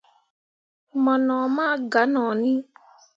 Mo no maa ganoni.